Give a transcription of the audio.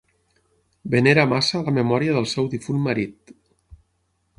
Venera massa la memòria del seu difunt marit.